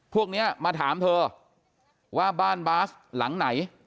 พวกนี้มาถามเธอว่าบ้านบาสหลังไหน